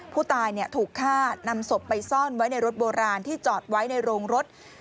ผู้ตายถูกฆ่านำศพไปซ่อนไว้ในรถโบราณที่จอดไว้ในโรงรถ